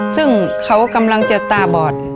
ซึ่งเขากำลังจะตาบอด